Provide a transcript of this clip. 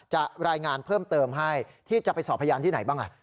จะรายงานเพิ่มเติมให้ที่จะไปสอบพยานที่ไหนบ้าง